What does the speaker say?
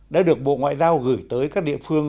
đã được bộ ngoại giao gửi tới các địa phương